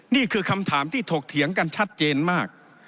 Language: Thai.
นี่คือคำถามที่ถกเถียงกันชัดเจนมาก